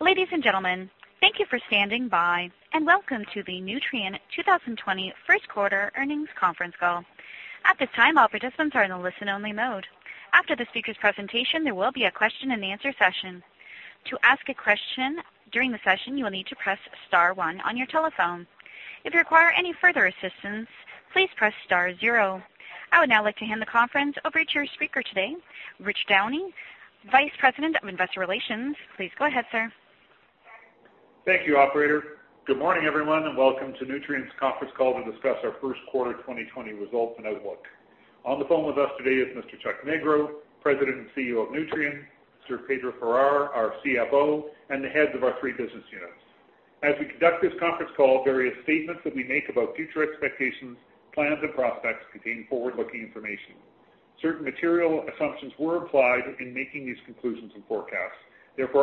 Ladies and gentlemen, thank you for standing by and welcome to the Nutrien 2020 first quarter earnings conference call. At this time, all participants are in a listen-only mode. After the speaker's presentation, there will be a question and answer session. To ask a question during the session, you will need to press star one on your telephone. If you require any further assistance, please press star zero. I would now like to hand the conference over to your speaker today, Richard Downey, Vice President of Investor Relations. Please go ahead, sir. Thank you, operator. Good morning, everyone, and welcome to Nutrien's conference call to discuss our first quarter 2020 results and outlook. On the phone with us today is Mr. Chuck Magro, President and CEO of Nutrien, Mr. Pedro Farah, our CFO, and the heads of our three business units. As we conduct this conference call, various statements that we make about future expectations, plans, and prospects contain forward-looking information. Certain material assumptions were applied in making these conclusions and forecasts.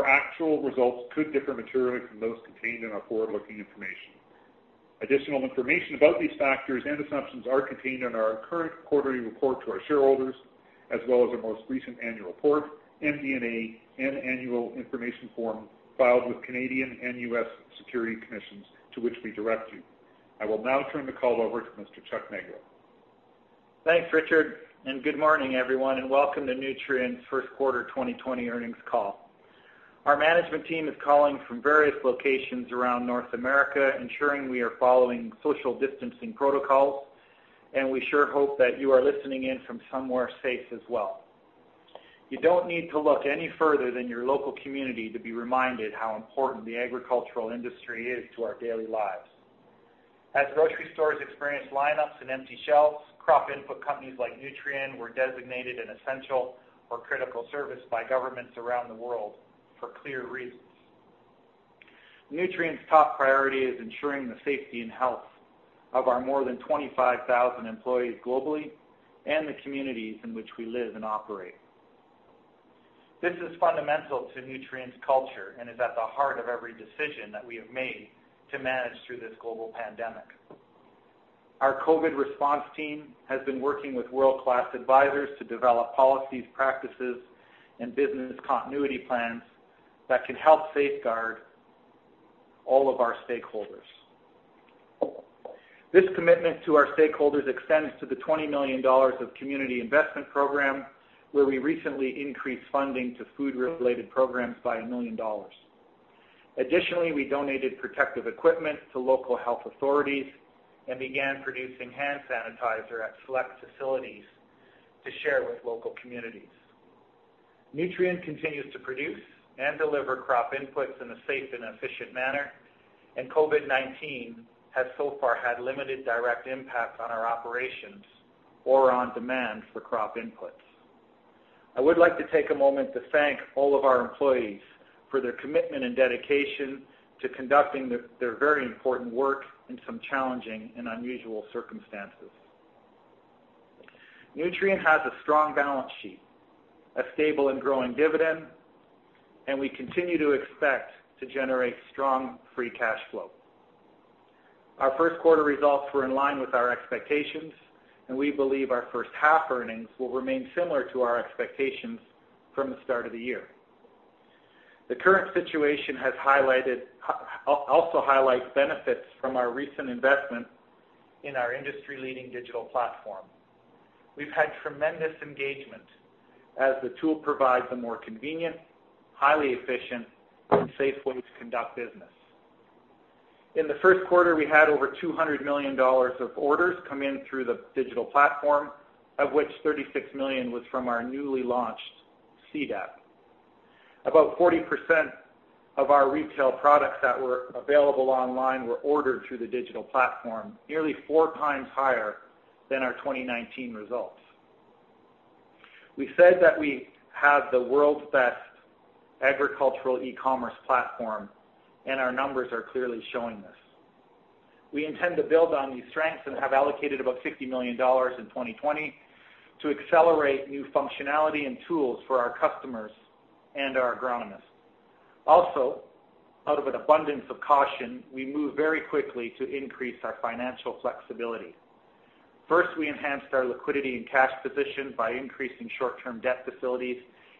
Actual results could differ materially from those contained in our forward-looking information. Additional information about these factors and assumptions are contained in our current quarterly report to our shareholders, as well as our most recent annual report, MD&A, and annual information form filed with Canadian and U.S. security commissions to which we direct you. I will now turn the call over to Mr. Chuck Magro. Thanks, Richard. Good morning, everyone, and welcome to Nutrien's first quarter 2020 earnings call. Our management team is calling from various locations around North America, ensuring we are following social distancing protocols. We sure hope that you are listening in from somewhere safe as well. You don't need to look any further than your local community to be reminded how important the agricultural industry is to our daily lives. As grocery stores experience lineups and empty shelves, crop input companies like Nutrien were designated an essential or critical service by governments around the world for clear reasons. Nutrien's top priority is ensuring the safety and health of our more than 25,000 employees globally and the communities in which we live and operate. This is fundamental to Nutrien's culture and is at the heart of every decision that we have made to manage through this global pandemic. Our COVID response team has been working with world-class advisors to develop policies, practices, and business continuity plans that can help safeguard all of our stakeholders. This commitment to our stakeholders extends to the $20 million of community investment program, where we recently increased funding to food-related programs by $1 million. Additionally, we donated protective equipment to local health authorities and began producing hand sanitizer at select facilities to share with local communities. Nutrien continues to produce and deliver crop inputs in a safe and efficient manner. COVID-19 has so far had limited direct impact on our operations or on demand for crop inputs. I would like to take a moment to thank all of our employees for their commitment and dedication to conducting their very important work in some challenging and unusual circumstances. Nutrien has a strong balance sheet, a stable and growing dividend, and we continue to expect to generate strong free cash flow. Our first quarter results were in line with our expectations, and we believe our first half earnings will remain similar to our expectations from the start of the year. The current situation also highlights benefits from our recent investment in our industry-leading digital platform. We've had tremendous engagement as the tool provides a more convenient, highly efficient, and safe way to conduct business. In the first quarter, we had over $200 million of orders come in through the digital platform, of which $36 million was from our newly launched CDAP. About 40% of our retail products that were available online were ordered through the digital platform, nearly four times higher than our 2019 results. We said that we have the world's best agricultural e-commerce platform, and our numbers are clearly showing this. We intend to build on these strengths and have allocated about $60 million in 2020 to accelerate new functionality and tools for our customers and our agronomists. Out of an abundance of caution, we moved very quickly to increase our financial flexibility. First, we enhanced our liquidity and cash position by increasing short-term debt facilities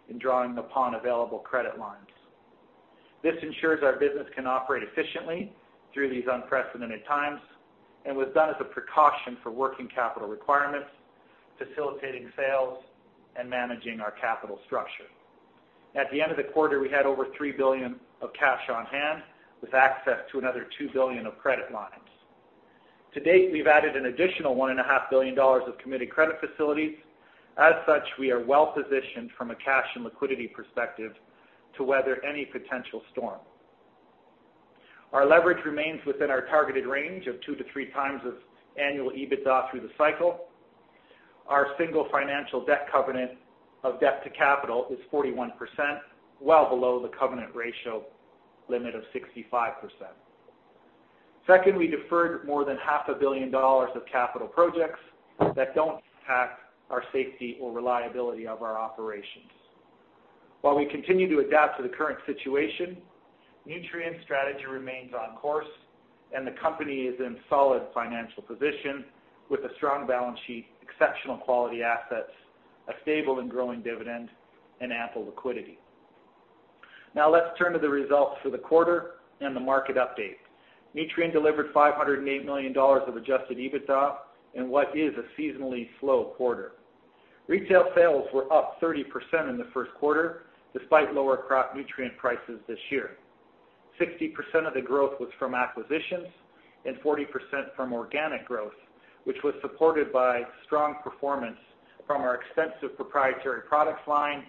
and drawing upon available credit lines. This ensures our business can operate efficiently through these unprecedented times and was done as a precaution for working capital requirements, facilitating sales, and managing our capital structure. At the end of the quarter, we had over $3 billion of cash on hand with access to another $2 billion of credit lines. To date, we've added an additional $1.5 billion of committed credit facilities. As such, we are well-positioned from a cash and liquidity perspective to weather any potential storm. Our leverage remains within our targeted range of two to three times of annual EBITDA through the cycle. Our single financial debt covenant of debt to capital is 41%, well below the covenant ratio limit of 65%. Second, we deferred more than half a billion dollars of capital projects that don't impact our safety or reliability of our operations. While we continue to adapt to the current situation, Nutrien's strategy remains on course, and the company is in solid financial position with a strong balance sheet, exceptional quality assets, a stable and growing dividend, and ample liquidity. Now let's turn to the results for the quarter and the market update. Nutrien delivered $508 million of adjusted EBITDA in what is a seasonally slow quarter. Retail sales were up 30% in the first quarter, despite lower crop nutrient prices this year. 60% of the growth was from acquisitions and 40% from organic growth, which was supported by strong performance from our extensive proprietary products line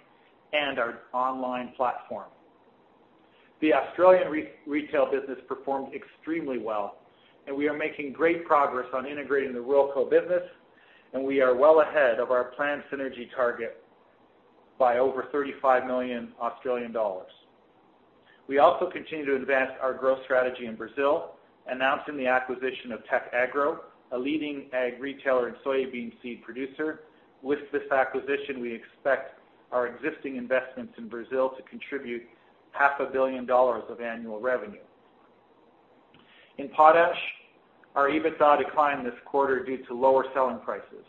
and our online platform. We are making great progress on integrating the Ruralco business, and we are well ahead of our planned synergy target by over 35 million Australian dollars. We also continue to advance our growth strategy in Brazil, announcing the acquisition of Tecagro, a leading ag retailer and soybean seed producer. With this acquisition, we expect our existing investments in Brazil to contribute half a billion dollars of annual revenue. In potash, our EBITDA declined this quarter due to lower selling prices.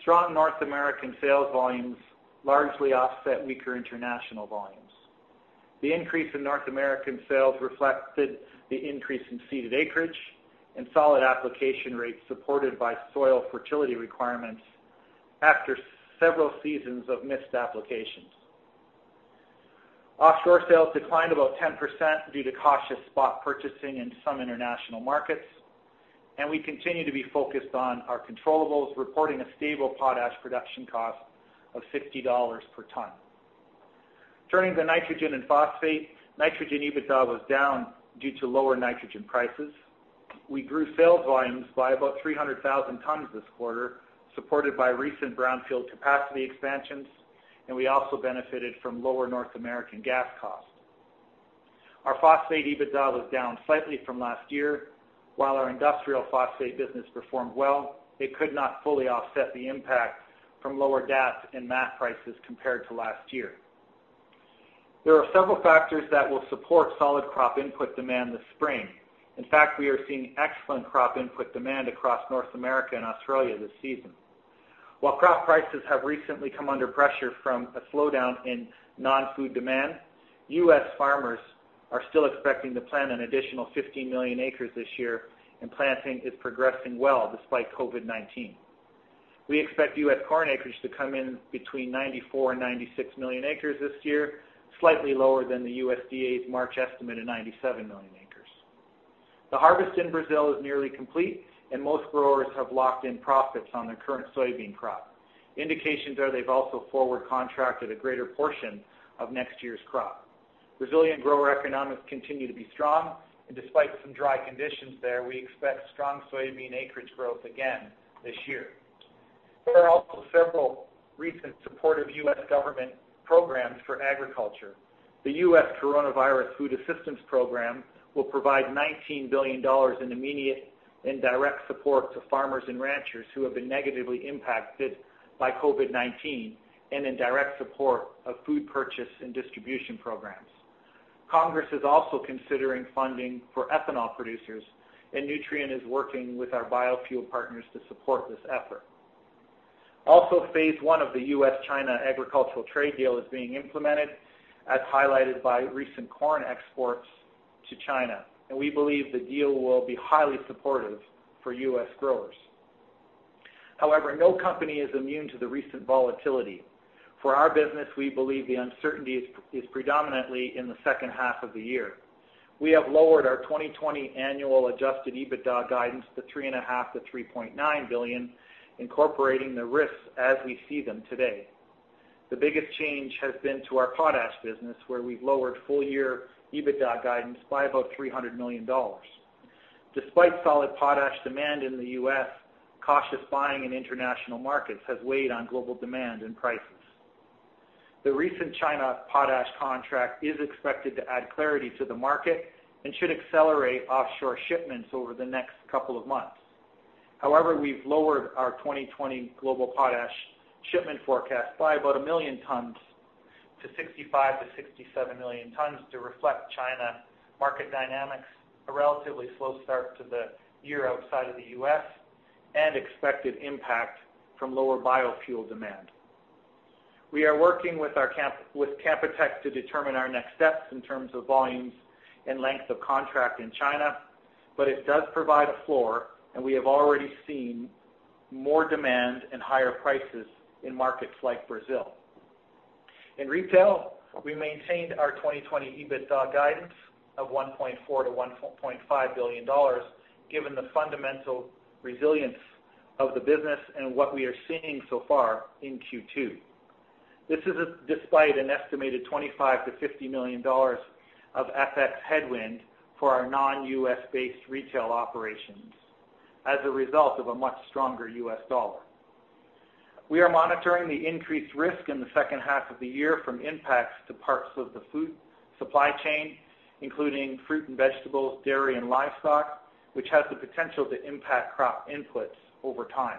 Strong North American sales volumes largely offset weaker international volumes. The increase in North American sales reflected the increase in seeded acreage and solid application rates supported by soil fertility requirements after several seasons of missed applications. Offshore sales declined about 10% due to cautious spot purchasing in some international markets, and we continue to be focused on our controllables, reporting a stable potash production cost of $60 per ton. Turning to nitrogen and phosphate, nitrogen EBITDA was down due to lower nitrogen prices. We grew sales volumes by about 300,000 tons this quarter, supported by recent brownfield capacity expansions, and we also benefited from lower North American gas costs. Our phosphate EBITDA was down slightly from last year. While our industrial phosphate business performed well, it could not fully offset the impact from lower DAP and MAP prices compared to last year. There are several factors that will support solid crop input demand this spring. In fact, we are seeing excellent crop input demand across North America and Australia this season. While crop prices have recently come under pressure from a slowdown in non-food demand, U.S. farmers are still expecting to plant an additional 50 million acres this year, and planting is progressing well despite COVID-19. We expect U.S. corn acreage to come in between 94 and 96 million acres this year, slightly lower than the USDA's March estimate of 97 million acres. The harvest in Brazil is nearly complete, and most growers have locked in profits on their current soybean crop. Indications are they've also forward contracted a greater portion of next year's crop. Brazilian grower economics continue to be strong, and despite some dry conditions there, we expect strong soybean acreage growth again this year. There are also several recent supportive U.S. government programs for agriculture. The U.S. Coronavirus Food Assistance Program will provide $19 billion in immediate and direct support to farmers and ranchers who have been negatively impacted by COVID-19 and in direct support of food purchase and distribution programs. Congress is also considering funding for ethanol producers. Nutrien is working with our biofuel partners to support this effort. Phase one of the U.S.-China agricultural trade deal is being implemented, as highlighted by recent corn exports to China. We believe the deal will be highly supportive for U.S. growers. However, no company is immune to the recent volatility. For our business, we believe the uncertainty is predominantly in the second half of the year. We have lowered our 2020 annual adjusted EBITDA guidance to $3.5 billion-$3.9 billion, incorporating the risks as we see them today. The biggest change has been to our potash business, where we've lowered full-year EBITDA guidance by about $300 million. Despite solid potash demand in the U.S., cautious buying in international markets has weighed on global demand and prices. The recent China potash contract is expected to add clarity to the market and should accelerate offshore shipments over the next couple of months. We've lowered our 2020 global potash shipment forecast by about 1 million tons to 65 million-67 million tons to reflect China market dynamics, a relatively slow start to the year outside of the U.S., and expected impact from lower biofuel demand. We are working with Canpotex to determine our next steps in terms of volumes and length of contract in China, but it does provide a floor, and we have already seen more demand and higher prices in markets like Brazil. In retail, we maintained our 2020 EBITDA guidance of $1.4 billion-$1.5 billion, given the fundamental resilience of the business and what we are seeing so far in Q2. This is despite an estimated $25 million-$50 million of FX headwind for our non-U.S.-based retail operations as a result of a much stronger U.S. dollar. We are monitoring the increased risk in the second half of the year from impacts to parts of the food supply chain, including fruit and vegetables, dairy, and livestock, which has the potential to impact crop inputs over time.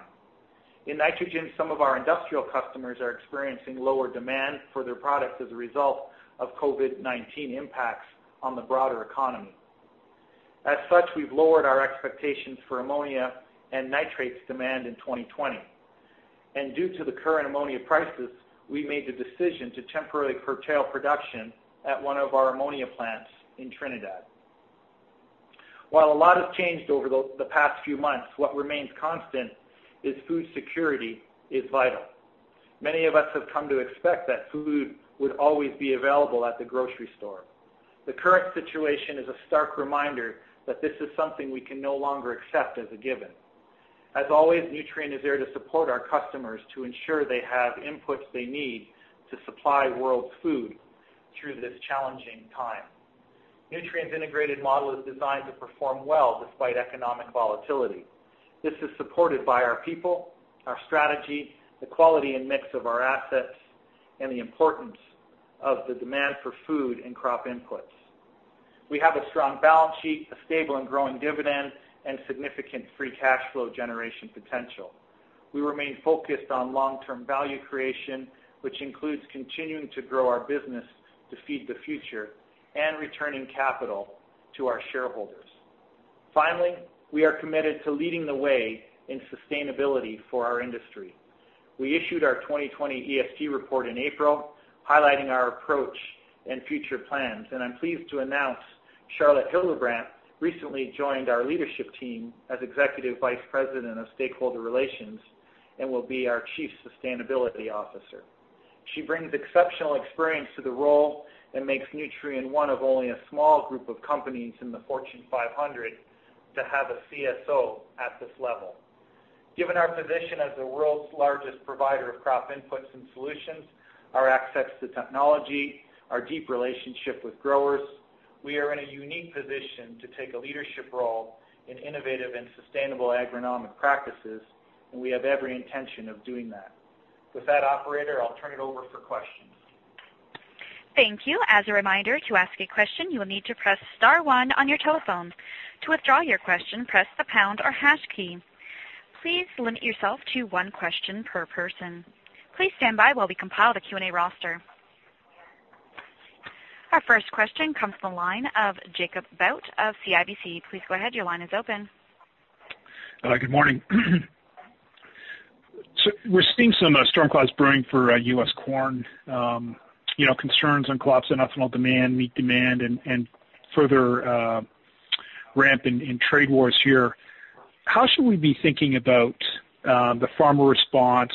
In nitrogen, some of our industrial customers are experiencing lower demand for their products as a result of COVID-19 impacts on the broader economy. As such, we've lowered our expectations for ammonia and nitrates demand in 2020. Due to the current ammonia prices, we made the decision to temporarily curtail production at one of our ammonia plants in Trinidad. While a lot has changed over the past few months, what remains constant is food security is vital. Many of us have come to expect that food would always be available at the grocery store. The current situation is a stark reminder that this is something we can no longer accept as a given. As always, Nutrien is there to support our customers to ensure they have inputs they need to supply world food through this challenging time. Nutrien's integrated model is designed to perform well despite economic volatility. This is supported by our people, our strategy, the quality and mix of our assets, and the importance of the demand for food and crop inputs. We have a strong balance sheet, a stable and growing dividend, and significant free cash flow generation potential. We remain focused on long-term value creation, which includes continuing to grow our business to feed the future and returning capital to our shareholders. We are committed to leading the way in sustainability for our industry. We issued our 2020 ESG report in April, highlighting our approach and future plans. I'm pleased to announce Charlotte Hebebrand recently joined our leadership team as Executive Vice President of Stakeholder Relations and will be our Chief Sustainability Officer. She brings exceptional experience to the role and makes Nutrien one of only a small group of companies in the Fortune 500 to have a CSO at this level. Given our position as the world's largest provider of crop inputs and solutions, our access to technology, our deep relationship with growers, we are in a unique position to take a leadership role in innovative and sustainable agronomic practices, and we have every intention of doing that. With that, operator, I'll turn it over for questions. Thank you. As a reminder, to ask a question, you will need to press star one on your telephone. To withdraw your question, press the pound or hash key. Please limit yourself to one question per person. Please stand by while we compile the Q&A roster. Our first question comes from the line of Jacob Bout of CIBC. Please go ahead, your line is open. Good morning. We're seeing some storm clouds brewing for U.S. corn, concerns on collapse in ethanol demand, meat demand, and further ramp in trade wars here. How should we be thinking about the farmer response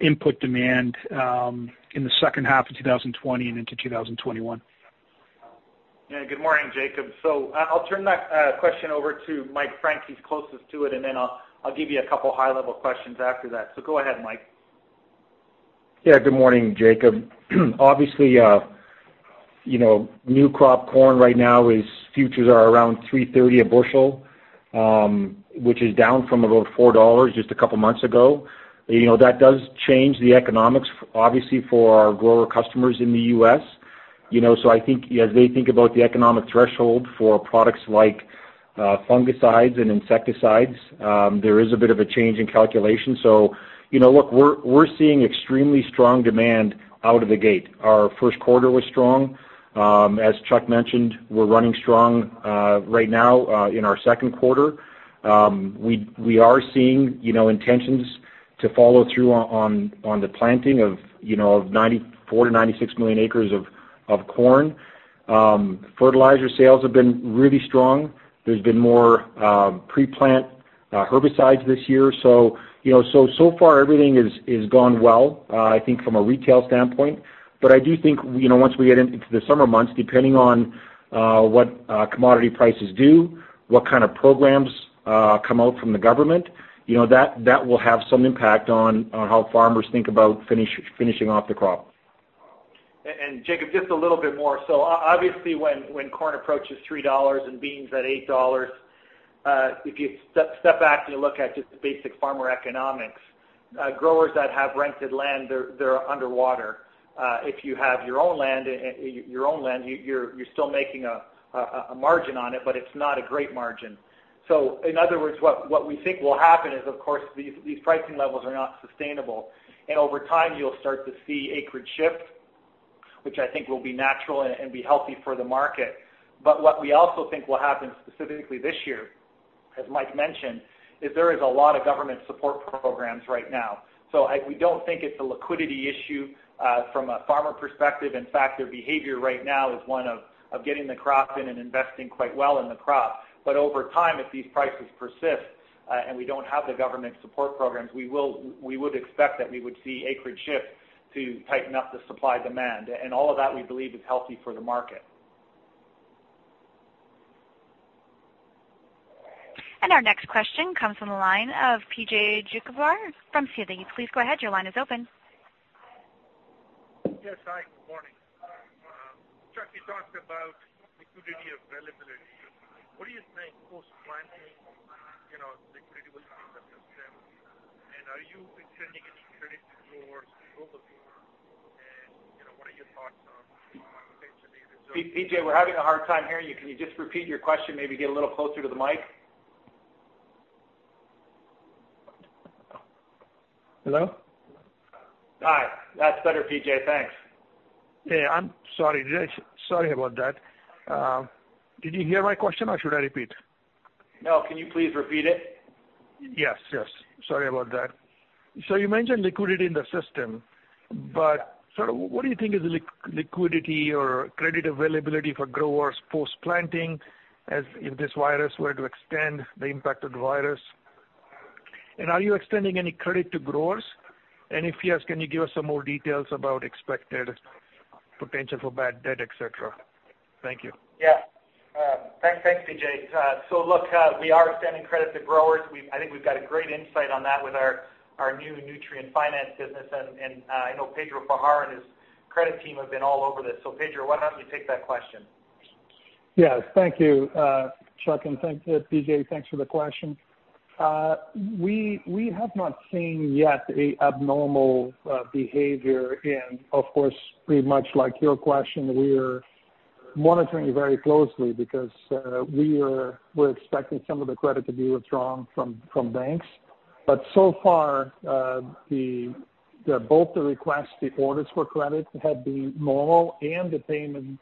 input demand in the second half of 2020 and into 2021? Yeah, good morning, Jacob. I'll turn that question over to Mike Frank, he's closest to it, and then I'll give you a couple of high-level questions after that. Go ahead, Mike. Good morning, Jacob. Obviously, new crop corn right now is futures are around $3.30 a bushel, which is down from about $4 just a couple of months ago. That does change the economics, obviously, for our grower customers in the U.S. I think as they think about the economic threshold for products like fungicides and insecticides, there is a bit of a change in calculation. Look, we're seeing extremely strong demand out of the gate. Our first quarter was strong. As Chuck mentioned, we're running strong right now in our second quarter. We are seeing intentions to follow through on the planting of 94 million-96 million acres of corn. Fertilizer sales have been really strong. There's been more pre-plant herbicides this year. So far everything has gone well, I think from a retail standpoint. I do think, once we get into the summer months, depending on what commodity prices do, what kind of programs come out from the government, that will have some impact on how farmers think about finishing off the crop. Jacob, just a little bit more. Obviously when corn approaches $3 and beans at $8, if you step back and you look at just the basic farmer economics, growers that have rented land, they're underwater. If you have your own land, you're still making a margin on it, but it's not a great margin. In other words, what we think will happen is, of course, these pricing levels are not sustainable. Over time, you'll start to see acreage shift, which I think will be natural and be healthy for the market. What we also think will happen specifically this year, as Mike mentioned, is there is a lot of government support programs right now. We don't think it's a liquidity issue from a farmer perspective. In fact, their behavior right now is one of getting the crop in and investing quite well in the crop. Over time, if these prices persist and we don't have the government support programs, we would expect that we would see acreage shift to tighten up the supply-demand. All of that, we believe, is healthy for the market. Our next question comes from the line of PJ Juvekar from Citi. Please go ahead, your line is open. Yes. Hi, good morning. Chuck, you talked about liquidity availability. What do you think post-planting, the credibility of the system? Are you extending any credit to growers globally? PJ, we're having a hard time hearing you. Can you just repeat your question? Maybe get a little closer to the mic. Hello? Hi. That's better, PJ. Thanks. Yeah, I'm sorry about that. Did you hear my question, or should I repeat? No, can you please repeat it? Yes. Sorry about that. You mentioned liquidity in the system, but what do you think is liquidity or credit availability for growers post-planting as if this virus were to extend the impact of the virus? Are you extending any credit to growers? If yes, can you give us some more details about expected potential for bad debt, et cetera? Thank you. Yeah. Thanks, PJ. Look, we are extending credit to growers. I think we've got a great insight on that with our new Nutrien finance business. I know Pedro Farah and his credit team have been all over this. Pedro, why don't you take that question? Yes. Thank you, Chuck, and PJ, thanks for the question. We have not seen yet a abnormal behavior and, of course, pretty much like your question, we're monitoring it very closely because we're expecting some of the credit to be withdrawn from banks. So far, both the requests, the orders for credit have been normal, and the payment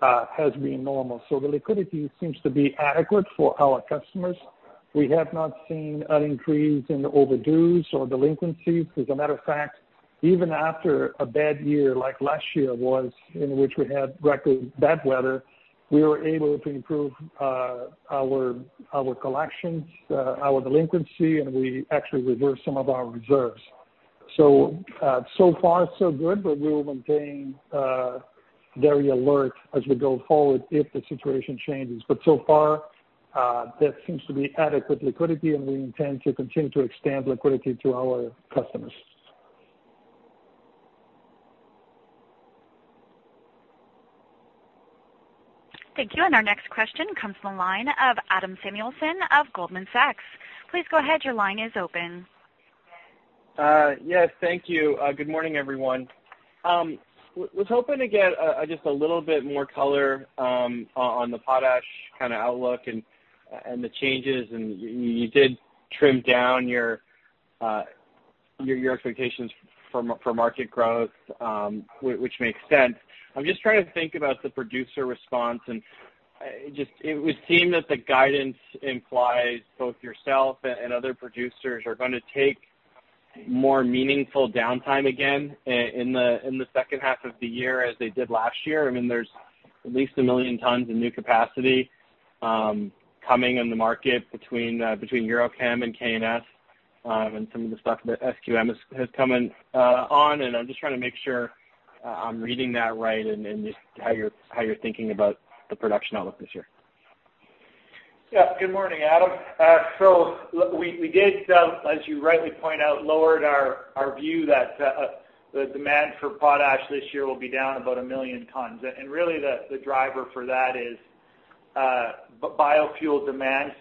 has been normal. The liquidity seems to be adequate for our customers. We have not seen an increase in the overdues or delinquencies. As a matter of fact, even after a bad year like last year was in which we had record bad weather, we were able to improve our collections, our delinquency, and we actually reversed some of our reserves. So far so good, but we will maintain very alert as we go forward if the situation changes. So far, there seems to be adequate liquidity, and we intend to continue to extend liquidity to our customers. Thank you. Our next question comes from the line of Adam Samuelson of Goldman Sachs. Please go ahead, your line is open. Yes, thank you. Good morning, everyone. I was hoping to get just a little bit more color on the potash kind of outlook and the changes. You did trim down your expectations for market growth, which makes sense. I'm just trying to think about the producer response and it would seem that the guidance implies both yourself and other producers are going to take more meaningful downtime again in the second half of the year as they did last year. I mean, there's at least 1 million tons of new capacity coming in the market between EuroChem and K+S, and some of the stuff that SQM has coming on. I'm just trying to make sure I'm reading that right and just how you're thinking about the production outlook this year. Good morning, Adam. We did, as you rightly point out, lowered our view that the demand for potash this year will be down about 1 million tons. Really the driver for that is biofuel demand.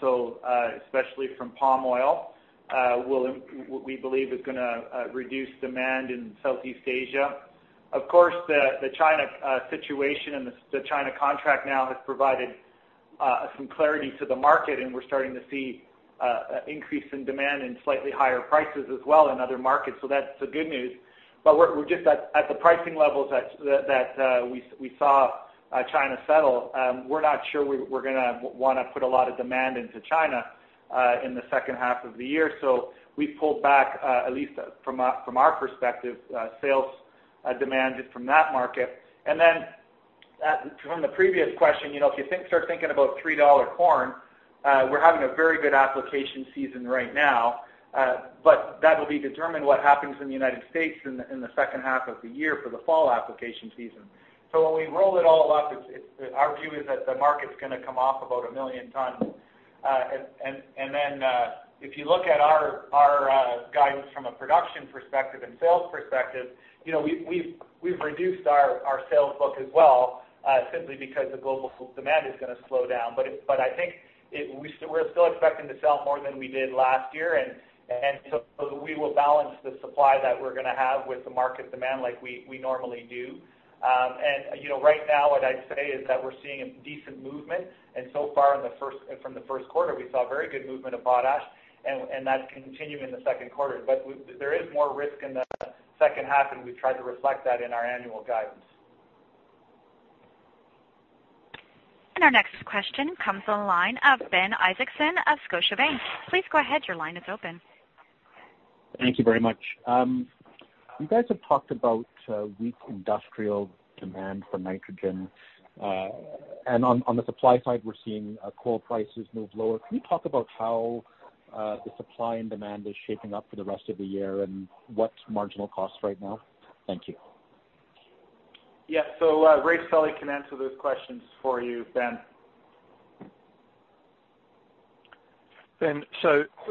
Especially from palm oil, we believe is going to reduce demand in Southeast Asia. Of course, the China situation and the China contract now has provided some clarity to the market, and we're starting to see increase in demand and slightly higher prices as well in other markets. That's the good news. We're just at the pricing levels that we saw China settle. We're not sure we're going to want to put a lot of demand into China in the second half of the year. We pulled back, at least from our perspective, sales demand from that market. From the previous question, if you start thinking about $3 corn, we're having a very good application season right now. That'll be determined what happens in the United States in the second half of the year for the fall application season. When we roll it all up, our view is that the market's going to come off about 1 million tons. If you look at our guidance from a production perspective and sales perspective, we've reduced our sales book as well, simply because the global demand is going to slow down. I think we're still expecting to sell more than we did last year. We will balance the supply that we're going to have with the market demand like we normally do. Right now, what I'd say is that we're seeing a decent movement, and so far from the first quarter, we saw very good movement of potash and that's continuing in the second quarter. There is more risk in the second half, and we've tried to reflect that in our annual guidance. Our next question comes on the line of Ben Isaacson of Scotiabank. Please go ahead, your line is open. Thank you very much. You guys have talked about weak industrial demand for nitrogen. On the supply side, we're seeing coal prices move lower. Can you talk about how the supply and demand is shaping up for the rest of the year and what's marginal costs right now? Thank you. Yeah. Raef Sully can answer those questions for you, Ben. Ben,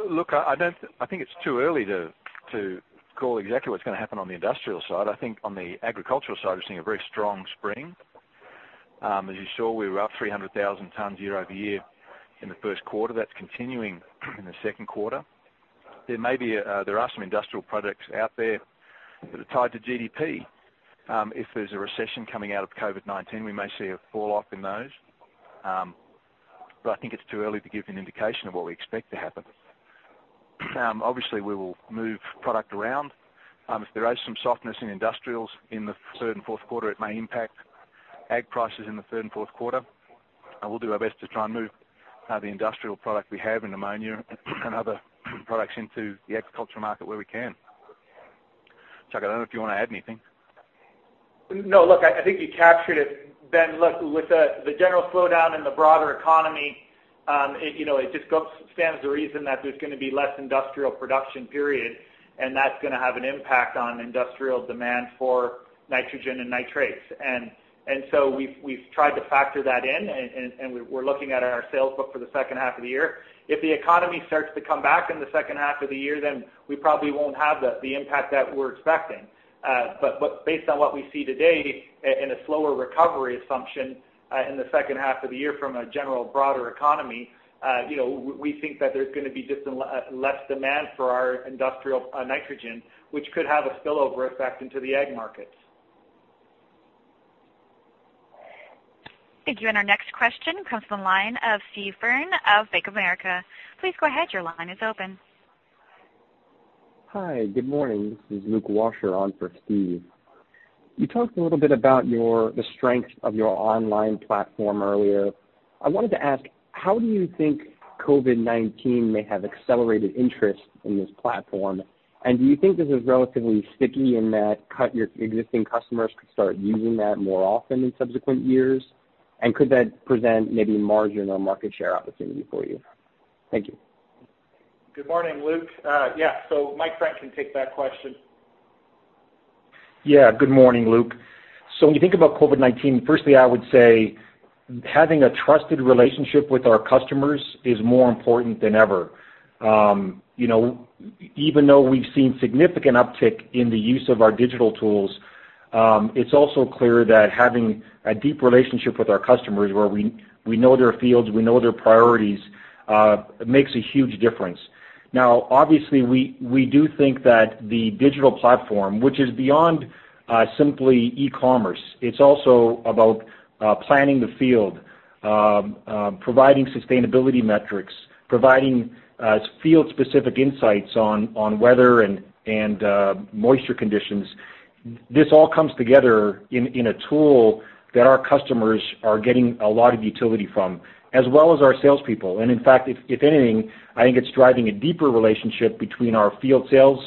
look, I think it's too early to call exactly what's going to happen on the industrial side. I think on the agricultural side, we're seeing a very strong spring. As you saw, we were up 300,000 tons year-over-year in the first quarter. That's continuing in the second quarter. There are some industrial products out there that are tied to GDP. If there's a recession coming out of COVID-19, we may see a falloff in those. I think it's too early to give you an indication of what we expect to happen. Obviously, we will move product around. If there is some softness in industrials in the third and fourth quarter, it may impact ag prices in the third and fourth quarter, and we'll do our best to try and move the industrial product we have in ammonia and other products into the agricultural market where we can. Chuck, I don't know if you want to add anything. No, look, I think you captured it. Ben, look, with the general slowdown in the broader economy, it just stands to reason that there's going to be less industrial production, period, and that's going to have an impact on industrial demand for nitrogen and nitrates. We've tried to factor that in, and we're looking at our sales book for the second half of the year. If the economy starts to come back in the second half of the year, then we probably won't have the impact that we're expecting. Based on what we see today in a slower recovery assumption in the second half of the year from a general broader economy, we think that there's going to be just less demand for our industrial nitrogen, which could have a spillover effect into the ag markets. Thank you. Our next question comes from the line of Steve Byrne of Bank of America. Please go ahead. Your line is open. Hi. Good morning. This is Luke Washer on for Steve. You talked a little bit about the strength of your online platform earlier. I wanted to ask, how do you think COVID-19 may have accelerated interest in this platform? Do you think this is relatively sticky in that your existing customers could start using that more often in subsequent years? Could that present maybe a margin or market share opportunity for you? Thank you. Good morning, Luke. Yeah. Mike Frank can take that question. Yeah. Good morning, Luke. When you think about COVID-19, firstly, I would say having a trusted relationship with our customers is more important than ever. Even though we've seen significant uptick in the use of our digital tools, it's also clear that having a deep relationship with our customers where we know their fields, we know their priorities makes a huge difference. Obviously, we do think that the digital platform, which is beyond simply e-commerce, it's also about planning the field, providing sustainability metrics, providing field-specific insights on weather and moisture conditions. This all comes together in a tool that our customers are getting a lot of utility from, as well as our salespeople. In fact, if anything, I think it's driving a deeper relationship between our field sales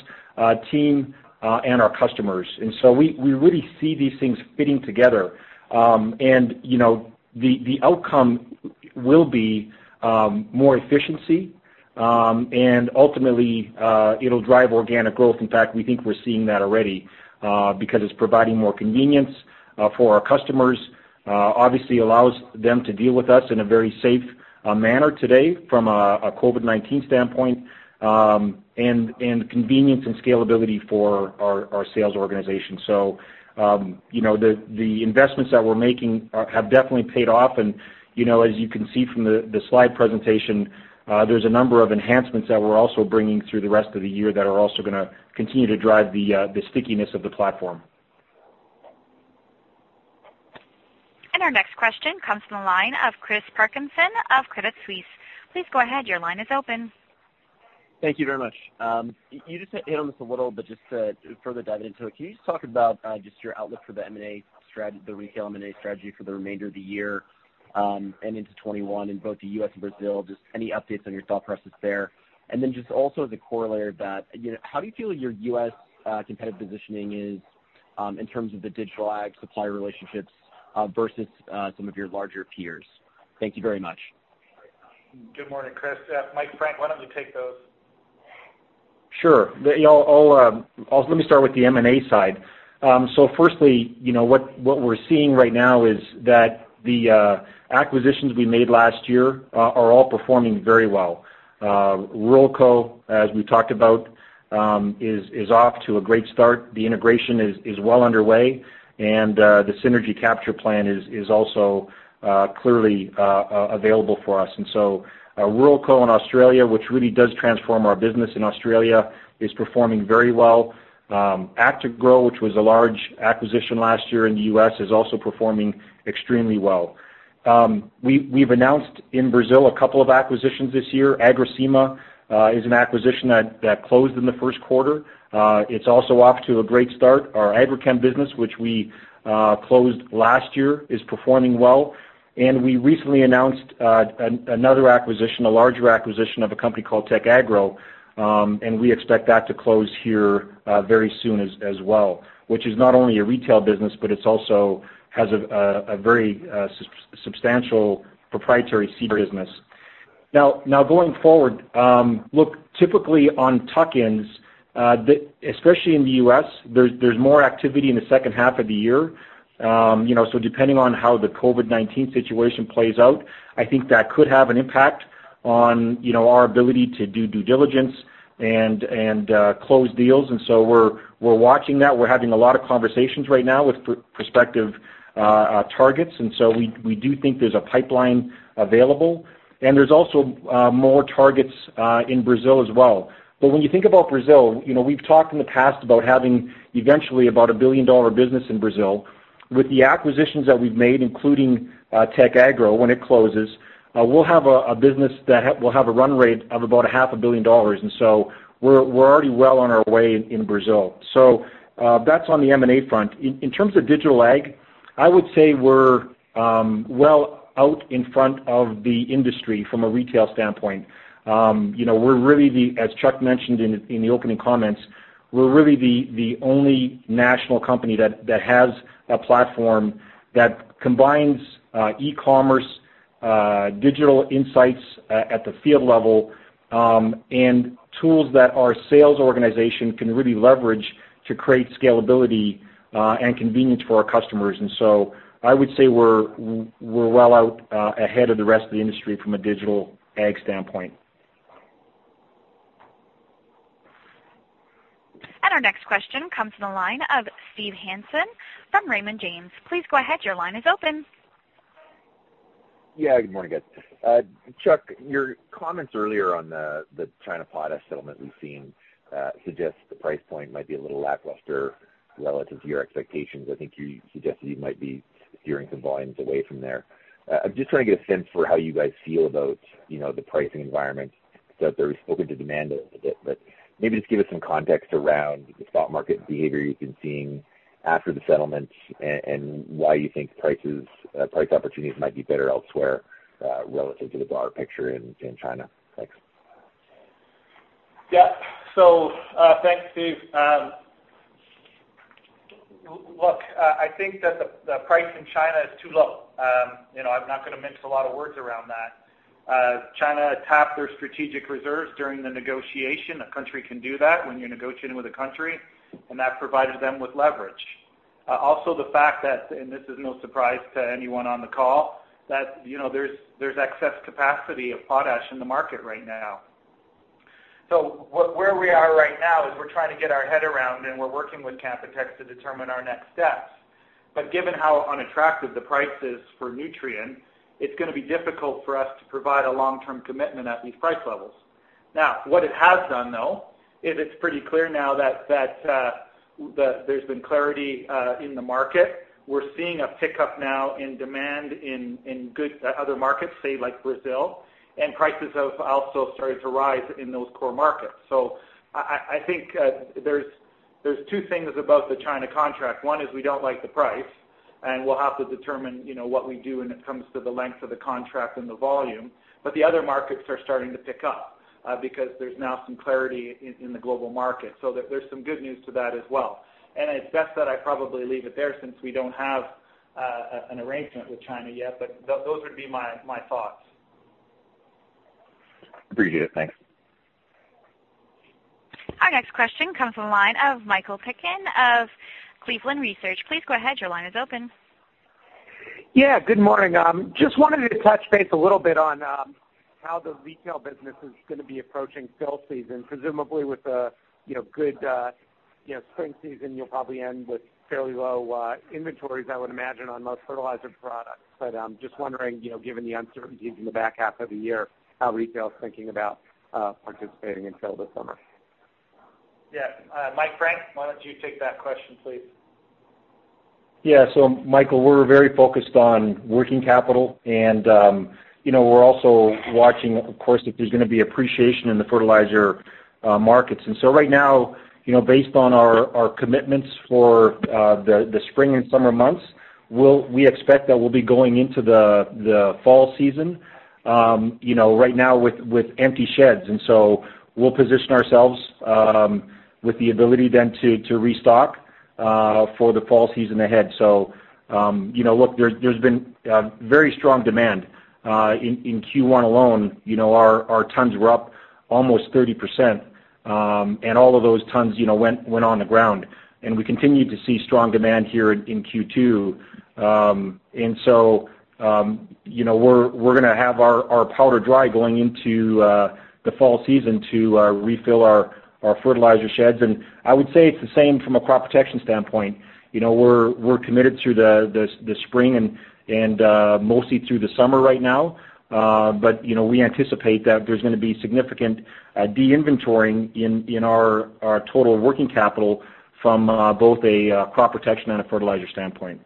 team and our customers. We really see these things fitting together. The outcome will be more efficiency, and ultimately, it'll drive organic growth. In fact, we think we're seeing that already because it's providing more convenience for our customers, obviously allows them to deal with us in a very safe manner today from a COVID-19 standpoint, and convenience and scalability for our sales organization. The investments that we're making have definitely paid off. As you can see from the slide presentation, there's a number of enhancements that we're also bringing through the rest of the year that are also going to continue to drive the stickiness of the platform. Our next question comes from the line of Chris Parkinson of Credit Suisse. Please go ahead. Your line is open. Thank you very much. You just hit on this a little, to further dive into it, can you just talk about just your outlook for the retail M&A strategy for the remainder of the year and into 2021 in both the U.S. and Brazil? Just any updates on your thought process there. Just also as a corollary of that, how do you feel your U.S. competitive positioning is in terms of the digital ag supplier relationships versus some of your larger peers? Thank you very much. Good morning, Chris. Mike Frank, why don't you take those? Sure. Let me start with the M&A side. Firstly, what we're seeing right now is that the acquisitions we made last year are all performing very well. Ruralco, as we talked about, is off to a great start. The integration is well underway, and the synergy capture plan is also clearly available for us. So Ruralco in Australia, which really does transform our business in Australia, is performing very well. Actagro, which was a large acquisition last year in the U.S., is also performing extremely well. We've announced in Brazil a couple of acquisitions this year. Agrosema is an acquisition that closed in the first quarter. It's also off to a great start. Our Agrichem business, which we closed last year, is performing well. We recently announced another acquisition, a larger acquisition of a company called Tecagro, and we expect that to close here very soon as well, which is not only a retail business, but it also has a very substantial proprietary seed business. Going forward, look, typically on tuck-ins, especially in the U.S., there's more activity in the second half of the year. Depending on how the COVID-19 situation plays out, I think that could have an impact on our ability to do due diligence and close deals. We're watching that. We're having a lot of conversations right now with prospective targets, we do think there's a pipeline available. There's also more targets in Brazil as well. When you think about Brazil, we've talked in the past about having eventually about a billion-dollar business in Brazil. With the acquisitions that we've made, including Tecagro, when it closes, we'll have a business that will have a run rate of about a half a billion dollars. We're already well on our way in Brazil. That's on the M&A front. In terms of digital ag, I would say we're well out in front of the industry from a retail standpoint. As Chuck mentioned in the opening comments, we're really the only national company that has a platform that combines e-commerce, digital insights at the field level, and tools that our sales organization can really leverage to create scalability and convenience for our customers. I would say we're well out ahead of the rest of the industry from a digital ag standpoint. Our next question comes from the line of Steve Hansen from Raymond James. Please go ahead, your line is open. Yeah. Good morning, guys. Chuck, your comments earlier on the China potash settlement we've seen suggests the price point might be a little lackluster relative to your expectations. I think you suggested you might be steering some volumes away from there. I'm just trying to get a sense for how you guys feel about the pricing environment. I thought there was still a bit of demand a little bit, but maybe just give us some context around the spot market behavior you've been seeing after the settlements and why you think price opportunities might be better elsewhere relative to the broader picture in China. Thanks. Yeah. Thanks, Steve. Look, I think that the price in China is too low. I'm not going to mince a lot of words around that. China tapped their strategic reserves during the negotiation. A country can do that when you're negotiating with a country, and that provided them with leverage. Also the fact that, and this is no surprise to anyone on the call, that there's excess capacity of potash in the market right now. Where we are right now is we're trying to get our head around, and we're working with Canpotex to determine our next steps. Given how unattractive the price is for Nutrien, it's going to be difficult for us to provide a long-term commitment at these price levels. Now, what it has done, though, it is pretty clear now that there's been clarity in the market. We're seeing a pickup now in demand in other markets, say like Brazil, and prices have also started to rise in those core markets. I think there's two things about the China contract. One is we don't like the price, and we'll have to determine what we do when it comes to the length of the contract and the volume. The other markets are starting to pick up because there's now some clarity in the global market. There's some good news to that as well. It's best that I probably leave it there since we don't have an arrangement with China yet, but those would be my thoughts. Appreciate it. Thanks. Our next question comes from the line of Michael Piken of Cleveland Research. Please go ahead, your line is open. Yeah, good morning. Just wanted to touch base a little bit on how the Retail business is going to be approaching sale season, presumably with a good spring season, you'll probably end with fairly low inventories, I would imagine, on most fertilizer products. I'm just wondering, given the uncertainties in the back half of the year, how Retail is thinking about participating until the summer. Mike Frank, why don't you take that question, please? Michael, we're very focused on working capital, and we're also watching, of course, if there's going to be appreciation in the fertilizer markets. Right now based on our commitments for the spring and summer months, we expect that we'll be going into the fall season with empty sheds. We'll position ourselves with the ability to restock for the fall season ahead. Look, there's been very strong demand. In Q1 alone, our tons were up almost 30%, and all of those tons went on the ground. We continue to see strong demand here in Q2. We're going to have our powder dry going into the fall season to refill our fertilizer sheds. I would say it's the same from a crop protection standpoint. We're committed through the spring and mostly through the summer right now. We anticipate that there's going to be significant de-inventoring in our total working capital from both a crop protection and a fertilizer standpoint.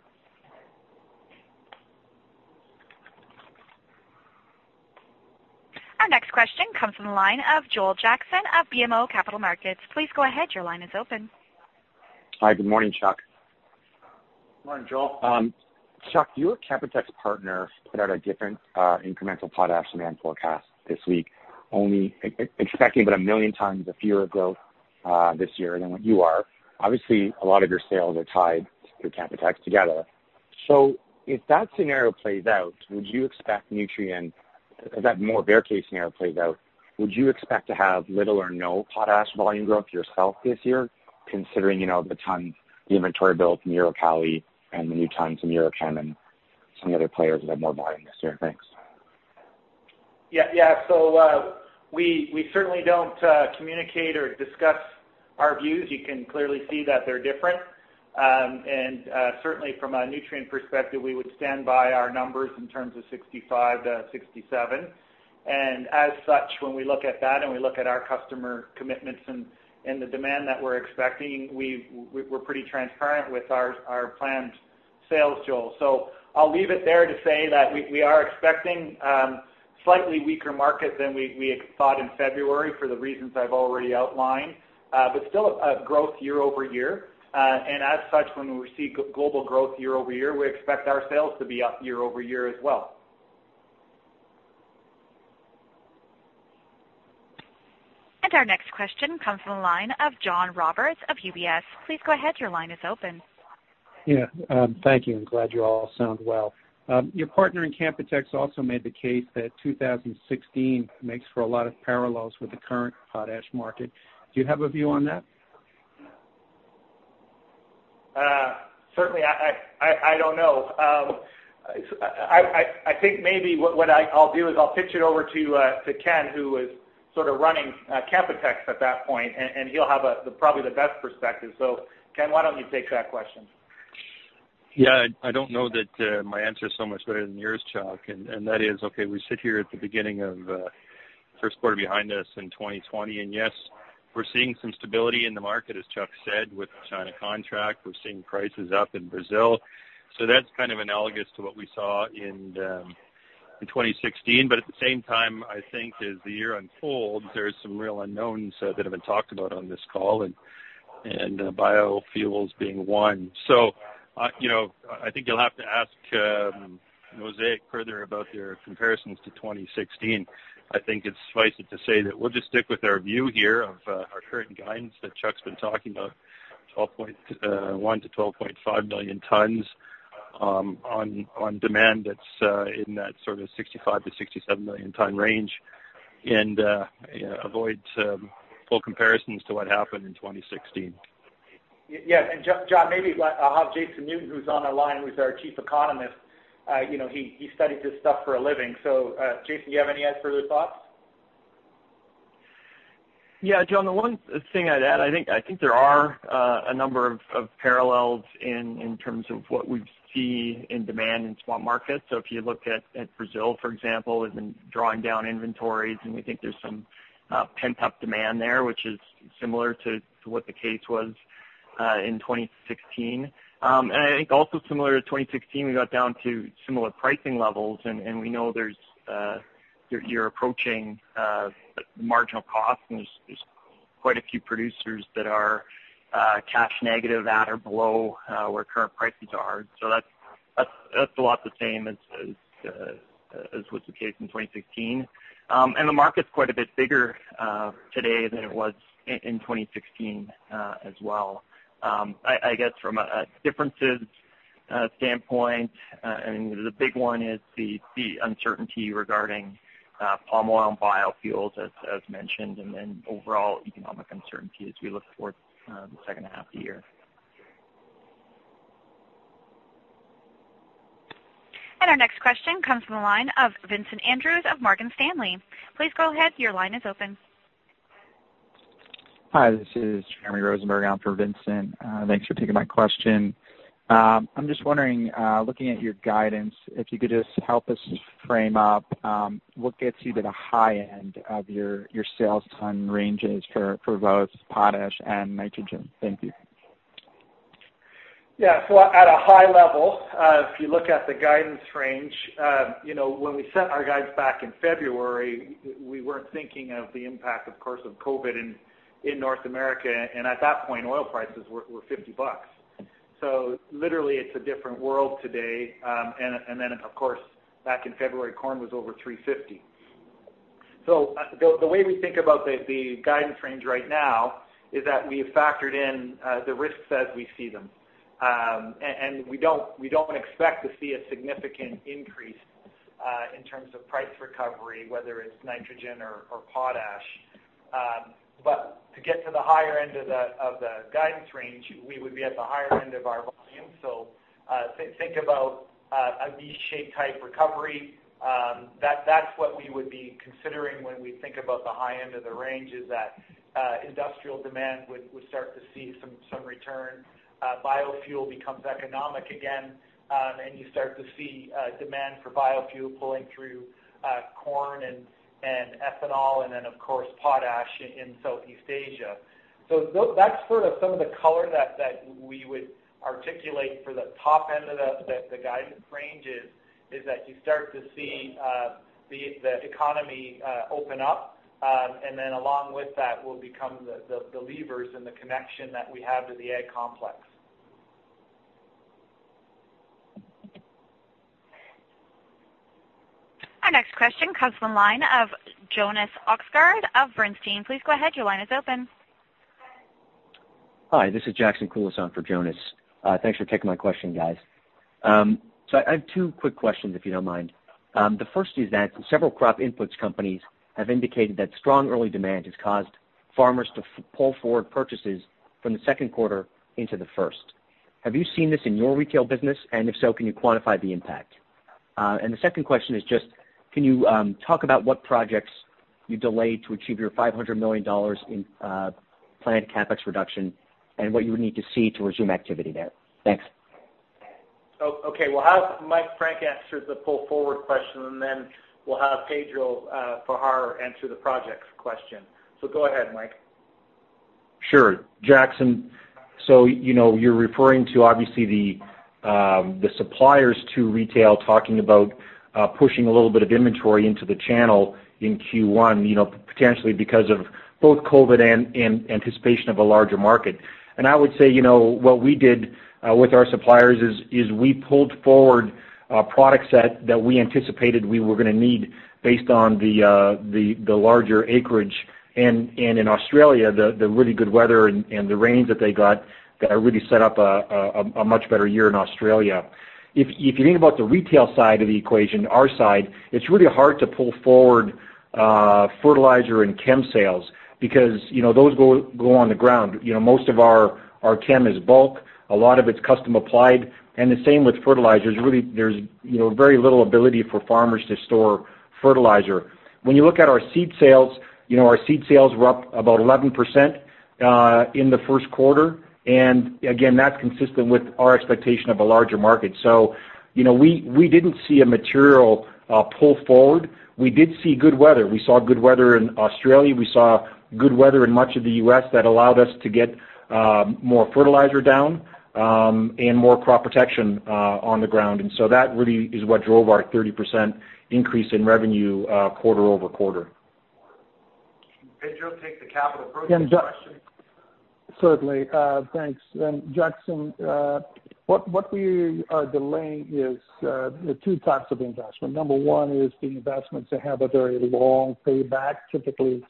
Our next question comes from the line of Joel Jackson of BMO Capital Markets. Please go ahead, your line is open. Hi. Good morning, Chuck. Morning, Joel. Chuck, your Canpotex partner put out a different incremental potash demand forecast this week, only expecting about 1 million tons a year of growth this year than what you are. Obviously, a lot of your sales are tied through Canpotex together. If that more bear case scenario plays out, would you expect to have little or no potash volume growth yourself this year considering the tons inventory built in EuroKali and the new tons in EuroChem and some of the other players that have more volume this year? Thanks. We certainly don't communicate or discuss our views. You can clearly see that they're different. Certainly from a Nutrien perspective, we would stand by our numbers in terms of 65-67. As such, when we look at that and we look at our customer commitments and the demand that we're expecting, we're pretty transparent with our planned sales tool. I'll leave it there to say that we are expecting slightly weaker market than we thought in February, for the reasons I've already outlined. Still a growth year-over-year. As such, when we see global growth year-over-year, we expect our sales to be up year-over-year as well. Our next question comes from the line of John Roberts of UBS. Please go ahead, your line is open. Yeah. Thank you. I'm glad you all sound well. Your partner in Canpotex also made the case that 2016 makes for a lot of parallels with the current potash market. Do you have a view on that? Certainly, I don't know. I think maybe what I'll do is I'll pitch it over to Ken, who was sort of running Canpotex at that point, and he'll have probably the best perspective. Ken, why don't you take that question? Yeah. I don't know that my answer is so much better than yours, Chuck, and that is, okay, we sit here at the beginning of first quarter behind us in 2020, and yes, we're seeing some stability in the market, as Chuck said, with the China contract. We're seeing prices up in Brazil. That's kind of analogous to what we saw in 2016. At the same time, I think as the year unfolds, there's some real unknowns that have been talked about on this call, and biofuels being one. I think you'll have to ask Mosaic further about their comparisons to 2016. I think it's suffice it to say that we'll just stick with our view here of our current guidance that Chuck's been talking about, 12.1 million-12.5 million tons, on demand that's in that sort of 65 million-67 million ton range. Avoid full comparisons to what happened in 2016. Yeah. John, maybe I'll have Jason Newton, who's on the line, who's our Chief Economist. He studies this stuff for a living. Jason, you have any further thoughts? John, the one thing I'd add, I think there are a number of parallels in terms of what we see in demand in spot markets. If you look at Brazil, for example, has been drawing down inventories, and we think there's some pent-up demand there, which is similar to what the case was in 2016. I think also similar to 2016, we got down to similar pricing levels, and we know you're approaching marginal cost, and there's quite a few producers that are cash negative at or below where current prices are. That's a lot the same as was the case in 2016. The market's quite a bit bigger today than it was in 2016 as well. I guess from a differences standpoint, the big one is the uncertainty regarding palm oil and biofuels, as mentioned, and then overall economic uncertainty as we look toward the second half of the year. Our next question comes from the line of Vincent Andrews of Morgan Stanley. Please go ahead, your line is open. Hi, this is Jeremy Rosenberg. I'm for Vincent. Thanks for taking my question. I'm just wondering, looking at your guidance, if you could just help us frame up what gets you to the high end of your sales ton ranges for both potash and nitrogen. Thank you. Yeah. At a high level, if you look at the guidance range, when we set our guidance back in February, we weren't thinking of the impact, of course, of COVID in North America, and at that point, oil prices were $50. Literally it's a different world today. Of course, back in February, corn was over $350. The way we think about the guidance range right now is that we have factored in the risks as we see them. We don't expect to see a significant increase in terms of price recovery, whether it's nitrogen or potash. To get to the higher end of the guidance range, we would be at the higher end of our volume. Think about a V-shape type recovery. That's what we would be considering when we think about the high end of the range, is that industrial demand would start to see some return. Biofuel becomes economic again, and you start to see demand for biofuel pulling through corn and ethanol and then, of course, potash in Southeast Asia. That's sort of some of the color that we would articulate for the top end of the guidance ranges is that you start to see the economy open up, and then along with that will become the levers and the connection that we have to the ag complex. Our next question comes from the line of Jonas Oxgaard of Bernstein. Please go ahead, your line is open. Hi, this is Jackson Kulas for Jonas. Thanks for taking my question, guys. I have two quick questions, if you don't mind. The first is that several crop inputs companies have indicated that strong early demand has caused farmers to pull forward purchases from the second quarter into the first. Have you seen this in your retail business? If so, can you quantify the impact? The second question is just, can you talk about what projects you delayed to achieve your $500 million in planned CapEx reduction and what you would need to see to resume activity there? Thanks. We'll have Mike Frank answer the pull forward question, and then we'll have Pedro Farah answer the projects question. Go ahead, Mike. Sure. Jackson, you're referring to obviously the suppliers to retail, talking about pushing a little bit of inventory into the channel in Q1, potentially because of both COVID and anticipation of a larger market. I would say, what we did with our suppliers is we pulled forward a product set that we anticipated we were going to need based on the larger acreage. In Australia, the really good weather and the rains that they got really set up a much better year in Australia. If you think about the retail side of the equation, our side, it's really hard to pull forward fertilizer and chem sales because those go on the ground. Most of our chem is bulk. A lot of it's custom applied, and the same with fertilizers. Really, there's very little ability for farmers to store fertilizer. You look at our seed sales, our seed sales were up about 11% in the first quarter. Again, that's consistent with our expectation of a larger market. We didn't see a material pull forward. We did see good weather. We saw good weather in Australia. We saw good weather in much of the U.S. that allowed us to get more fertilizer down and more crop protection on the ground. That really is what drove our 30% increase in revenue quarter-over-quarter. Pedro, take the capital projects question. Certainly. Thanks. Jackson, what we are delaying is two types of investment. Number one is the investments that have a very long payback. Typically,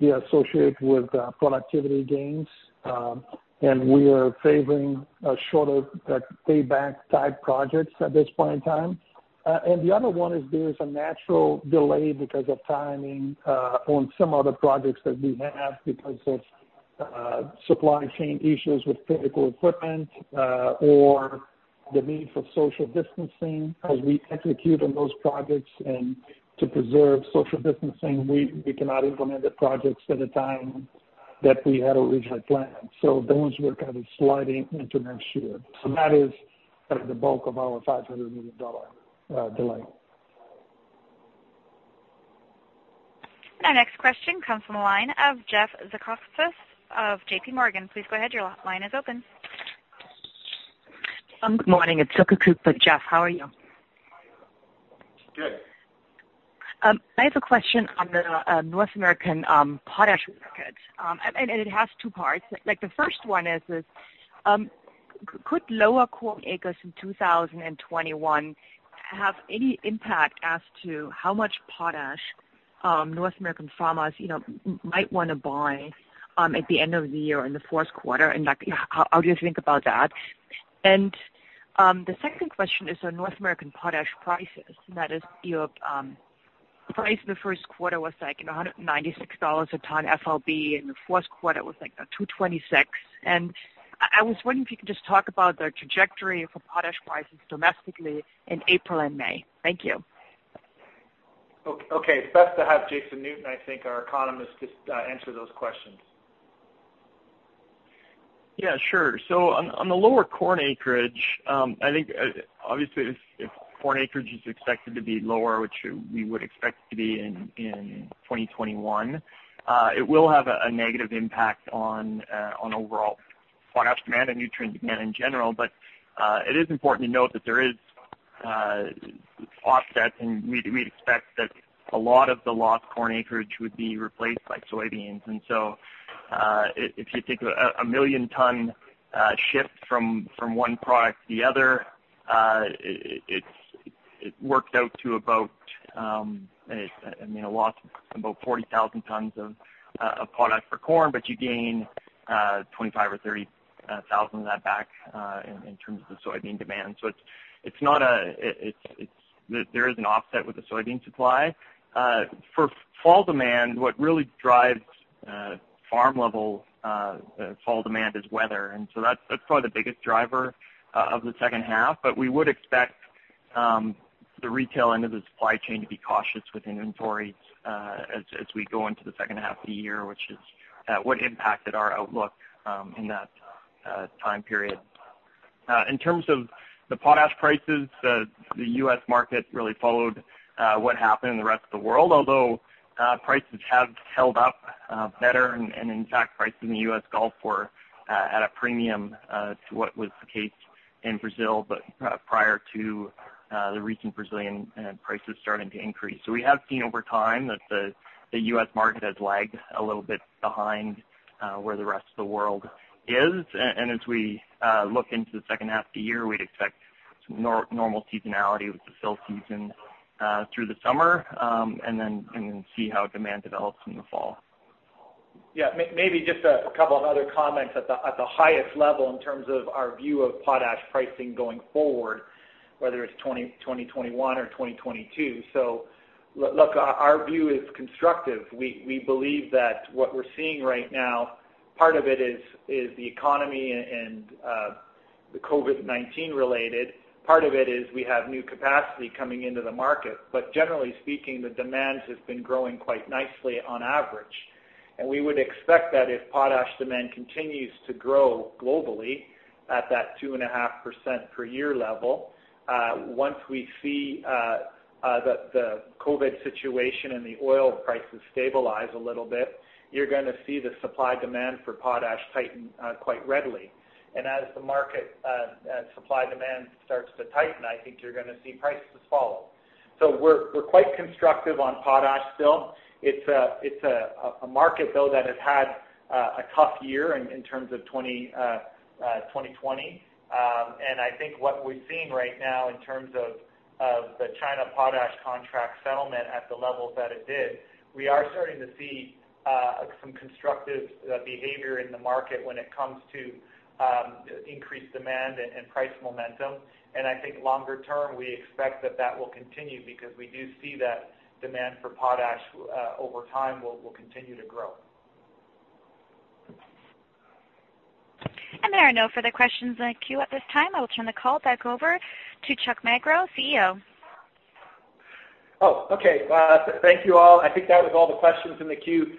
we associate with productivity gains. We are favoring shorter payback type projects at this point in time. The other one is there is a natural delay because of timing on some of the projects that we have because of supply chain issues with physical equipment or the need for social distancing as we execute on those projects. To preserve social distancing, we cannot implement the projects at a time that we had originally planned. Those we're kind of sliding into next year. That is the bulk of our $500 million delay. Our next question comes from the line of Jeffrey Zekauskas of JPMorgan. Please go ahead, your line is open. Good morning, it's Silke Kueck for Jeff. How are you? Good. I have a question on the North American potash markets. It has two parts. The first one is could lower corn acres in 2021 have any impact as to how much potash North American farmers might want to buy at the end of the year in the fourth quarter, and how do you think about that? The second question is on North American potash prices, and that is your price in the first quarter was like $196 a ton FOB, and the fourth quarter was like $226. I was wondering if you could just talk about the trajectory for potash prices domestically in April and May. Thank you. Okay. It's best to have Jason Newton, I think, our economist, just answer those questions. Yeah, sure. On the lower corn acreage, I think obviously if corn acreage is expected to be lower, which we would expect to be in 2021, it will have a negative impact on overall potash demand and crop nutrients demand in general. It is important to note that there is offsets, and we'd expect that a lot of the lost corn acreage would be replaced by soybeans. If you take a million ton shift from one product to the other, it worked out to about a loss of about 40,000 tons of product for corn, but you gain 25,000 or 30,000 of that back in terms of soybean demand. There is an offset with the soybean supply. For fall demand, what really drives farm level fall demand is weather. That's probably the biggest driver of the second half. We would expect the Retail end of the supply chain to be cautious with inventories as we go into the second half of the year, which is what impacted our outlook in that time period. In terms of the potash prices, the U.S. market really followed what happened in the rest of the world. Prices have held up better, and in fact, prices in the U.S. Gulf were at a premium to what was the case in Brazil, but prior to the recent Brazilian prices starting to increase. We have seen over time that the U.S. market has lagged a little bit behind where the rest of the world is. As we look into the second half of the year, we'd expect some normal seasonality with the fill season through the summer and then see how demand develops in the fall. Maybe just a couple of other comments at the highest level in terms of our view of potash pricing going forward, whether it's 2021 or 2022. Look, our view is constructive. We believe that what we're seeing right now, part of it is the economy and the COVID-19 related. Part of it is we have new capacity coming into the market. Generally speaking, the demands have been growing quite nicely on average. We would expect that if potash demand continues to grow globally at that 2.5% per year level, once we see the COVID situation and the oil prices stabilize a little bit, you're going to see the supply-demand for potash tighten quite readily. As the market supply-demand starts to tighten, I think you're going to see prices follow. We're quite constructive on potash still. It's a market, though, that has had a tough year in terms of 2020. I think what we're seeing right now in terms of the China potash contract settlement at the levels that it did, we are starting to see some constructive behavior in the market when it comes to increased demand and price momentum. I think longer term, we expect that that will continue because we do see that demand for potash over time will continue to grow. There are no further questions in the queue at this time. I will turn the call back over to Chuck Magro, CEO. Okay. Thank you all. I think that was all the questions in the queue.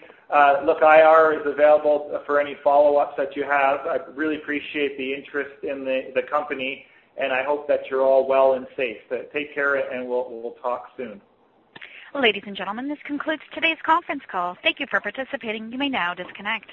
Look, IR is available for any follow-ups that you have. I really appreciate the interest in the company, and I hope that you're all well and safe. Take care, and we'll talk soon. Ladies and gentlemen, this concludes today's conference call. Thank you for participating. You may now disconnect.